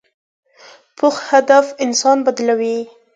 پوخ هدف انسان بدلوي